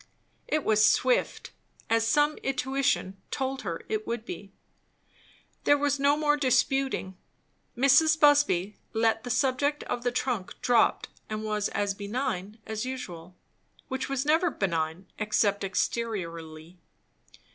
It was swift, as some intuition told her it would be. There was no more disputing. Mrs. Busby let the subject of the trunk drop, and was as benign as usual; which was never benign except exteriorly.